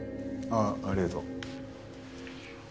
ああありがとう。